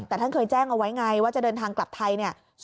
แต่ท่านเคยแจ้งเอาไว้ไงว่าจะเดินทางกลับไทยเนี่ย